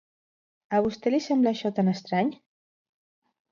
A vostè li sembla això tan estrany.